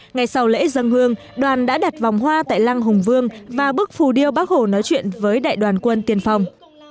ngày sau lễ dân hương đoàn đã đặt vòng hoa tại lăng hùng vương và bức phù điêu bác hồ nói chuyện với đại đoàn quân tiên phong